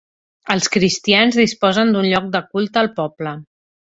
Els cristians disposen d'un lloc de culte al poble.